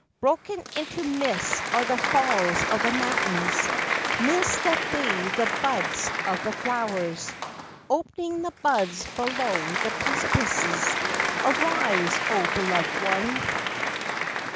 Broken into mists are the falls of the mountains,— Mists that bathe the buds of the flowers. Opening the buds below the precipices. Arise, O beloved one!"